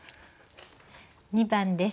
２番です。